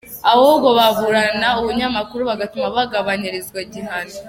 Ahubwo baburana, ubunyamakuru bugatuma bagabanyirizwa igihano.